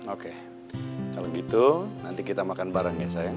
oke kalau gitu nanti kita makan bareng ya sayang